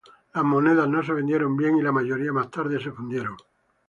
Las monedas no se vendieron bien, y la mayoría más tarde se fundieron.